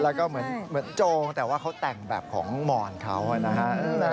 แล้วก็เหมือนโจงแต่ว่าเขาแต่งแบบของหมอนเขานะฮะ